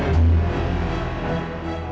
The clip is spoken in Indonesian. setelah itu dia menghabiskan tiruannya